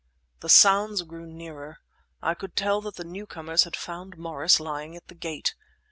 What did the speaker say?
The sounds grew nearer. I could tell that the newcomers had found Morris lying at the gate.